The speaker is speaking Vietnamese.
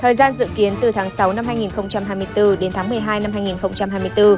thời gian dự kiến từ tháng sáu năm hai nghìn hai mươi bốn đến tháng một mươi hai năm hai nghìn hai mươi bốn